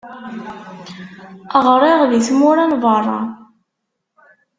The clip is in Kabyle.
Ɣṛiɣ di tmura n beṛṛa.